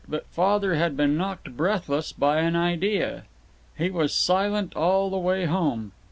But Father had been knocked breathless by an idea. He was silent all the way home.